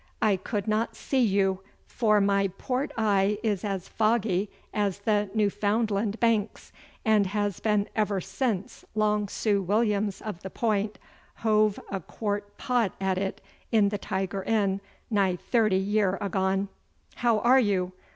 'I could not see you, for my port eye is as foggy as the Newfoundland banks, and has been ever since Long Sue Williams of the Point hove a quart pot at it in the Tiger inn nigh thirty year agone. How are you?